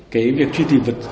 cái việc truy tìm vật